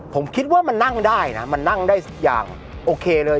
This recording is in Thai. ผมคิดว่ามันนั่งได้นะมันนั่งได้อย่างโอเคเลย